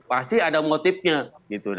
pasti ada motifnya gitu